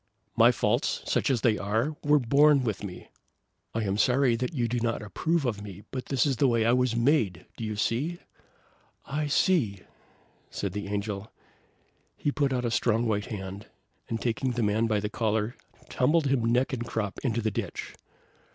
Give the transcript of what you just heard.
"My faults, such as they are, were born with me. I am sorry that you do not approve of me, but this is the way I was made; do you see?" "I see!" said the Angel. He put out a strong white hand, and taking the man by the collar, tumbled him neck and crop into the ditch.